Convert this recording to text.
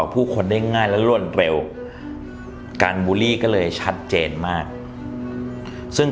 ผู้คนได้ง่ายและรวดเร็วการบูลลี่ก็เลยชัดเจนมากซึ่ง